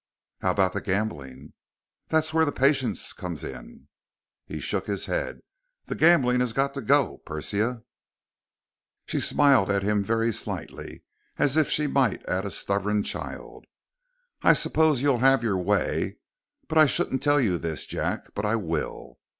"How about the gambling?" "That's where the patience comes in." He shook his head. "The gambling has to go, Persia." She smiled at him very slightly, as she might at a stubborn child. "I suppose you'll have your way, but, I shouldn't tell you this, Jack, but I will."